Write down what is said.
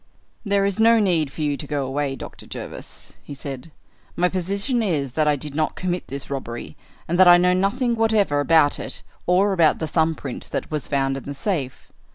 "There is no need for you to go away, Dr. Jervis," he said. "My position is that I did not commit this robbery and that I know nothing whatever about it or about the thumb print that was found in the safe.